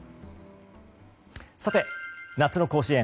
さて、夏の甲子園。